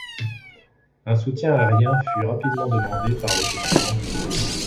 Un soutien aérien fut rapidement demandé par le commandant Tho.